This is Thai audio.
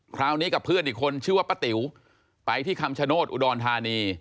คราวนี้กับเพื่อนอีกคนชื่อว่าป้าติ๋วไปที่คำชโนธอุดรธานี